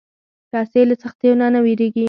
رسۍ له سختیو نه نه وېرېږي.